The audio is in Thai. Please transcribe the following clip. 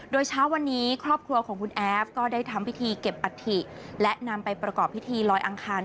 โดยเช้าวันนี้ครอบครัวของคุณแอฟก็ได้ทำพิธีเก็บอัฐิและนำไปประกอบพิธีลอยอังคาร